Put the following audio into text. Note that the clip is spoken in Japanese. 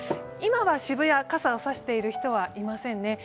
今は渋谷、傘差している人はいませんね。